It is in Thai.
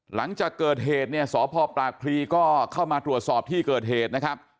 หลังจากเกิดเหตุสพปรากฤษก็เข้ามาตรวจสอบที่เกิดเหตุ